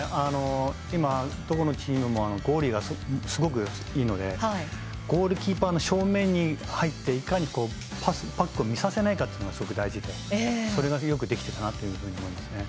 今、どこのチームもゴーリーがすごくいいのでゴールキーパーの正面に入っていかにパックを見させないかがすごく大事でそれがよくできていたなと思います。